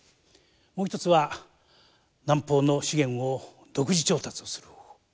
もう一つは南方の資源を独自調達をする方法。